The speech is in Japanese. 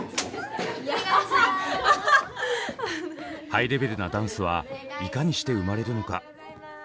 ハイレベルなダンスはいかにして生まれるのか。